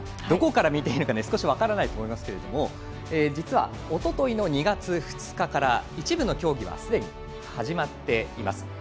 どこから見ていいのか少し分からないと思いますが実はおとといの２月２日から一部の競技はすでに始まっています。